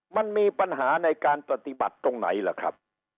มันมีปัญหาในการปฏิบัติตรงไหนล่ะครับ